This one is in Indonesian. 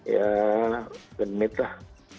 ya benit lah